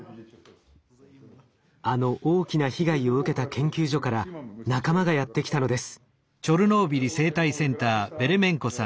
あの大きな被害を受けた研究所から仲間がやって来たのです。